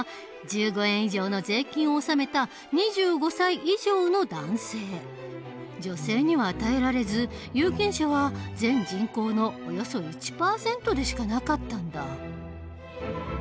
しかしその条件は女性には与えられず有権者は全人口のおよそ１％でしかなかったんだ。